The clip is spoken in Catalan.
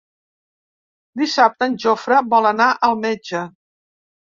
Dissabte en Jofre vol anar al metge.